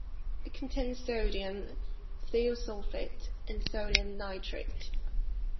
It contains sodium thiosulfate and sodium nitrite.